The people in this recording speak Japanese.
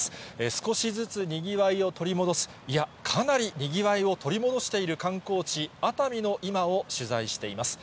少しずつにぎわいを取り戻す、いや、かなりにぎわいを取り戻している観光地、熱海の今を取材しています。